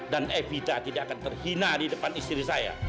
evita tidak akan terhina di depan istri saya